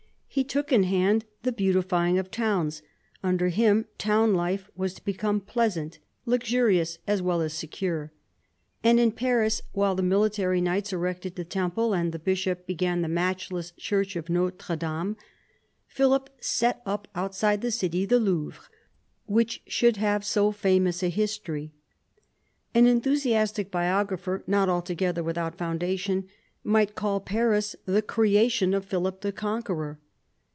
He took in hand the beautifying of towns : under him town life was to become pleasant, luxurious, as well as secure. And in Paris, while the military knights erected the Temple, and the bishop began the matchless church of Notre. Dame, Philip set u p outsidej thg_city the Louvre which should Iiave so famous a history. An enthusiastic bio grapher, not altogether without foundation, might call Paris the creation of Philip the Conqueror.